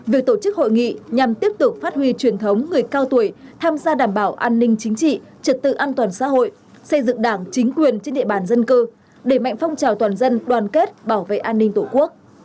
việc tổ chức hội nghị nhằm tiếp tục phát huy truyền thống người cao tuổi tham gia đảm bảo an ninh chính trị trật tự an toàn xã hội xây dựng đảng chính quyền trên địa bàn dân cư đẩy mạnh phong trào toàn dân đoàn kết bảo vệ an ninh tổ quốc